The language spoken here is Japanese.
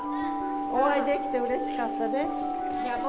お会いできてうれしかったです。